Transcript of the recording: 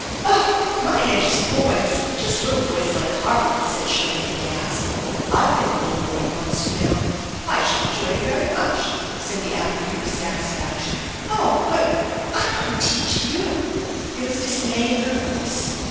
" Oh, mine are just boys, just little boys like Harley !" said Shirley, aghast. " I've been a little boy once, you know I should enjoy it very much," said the applicant with satisfaction. "Oh, but I couldn't teach you!" There was dismay in her voice.